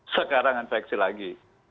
sekarang infeksi lagi